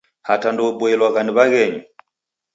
Hata ndeuboilwagha ni w'aghenyu!